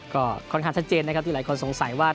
ก็ค่อนข้างชัดเจนนะครับที่หลายคนสงสัยว่า